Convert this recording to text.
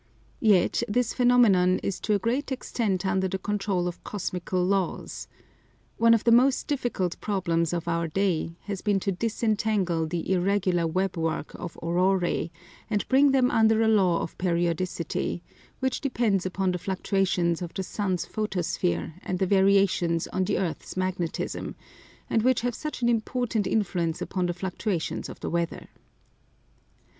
Yet this phenomenon is to a great extent under the control of cosmical laws. One of the most difficult problems of our day has been to disentangle the irregular webwork of auroræ, and bring them under a law of periodicity, which depends upon the fluctuations of the sun's photosphere and the variations on the earth's magnetism, and which have such an important influence upon the fluctuations of the weather.